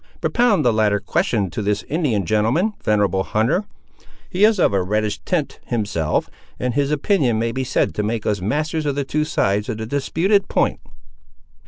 Propound the latter question to this Indian gentleman, venerable hunter; he is of a reddish tint himself, and his opinion may be said to make us masters of the two sides of the disputed point."